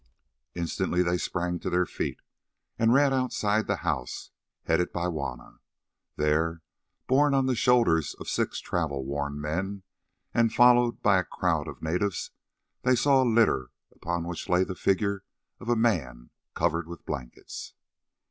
Instantly they sprang to their feet and ran outside the house, headed by Juanna. There, borne on the shoulders of six travel worn men, and followed by a crowd of natives, they saw a litter, upon which lay the figure of a man covered with blankets.